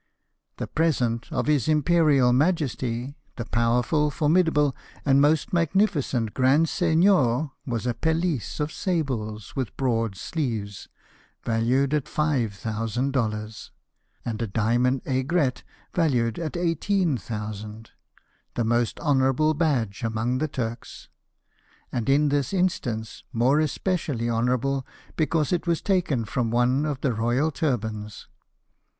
The present of " His Imperial Majesty, the powerful, formidable, and most magnificent Grand Seignior," was a pelisse of sables with broad sleeves, valued at five thousand dollars; and a diamond aigrette, valued at eighteen thousand — the most honourable badge among the Turks, and in this instance more especially honourable because it was taken from one of the royal turbans.